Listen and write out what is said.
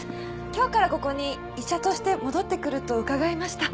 今日からここに医者として戻ってくると伺いました。